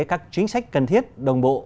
các chính sách cần thiết đồng bộ